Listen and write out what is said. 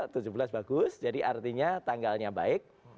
tujuh belas bagus jadi artinya tanggalnya baik